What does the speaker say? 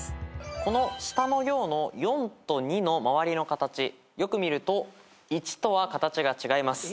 この下の行の４と２の周りの形よく見ると１とは形が違います。